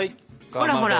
ほらほら。